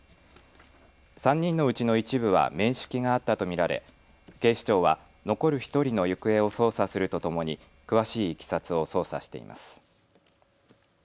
３人のうちの一部は面識があったと見られ警視庁は残る１人の行方を捜査するとともに詳しいいきさつを捜査しています。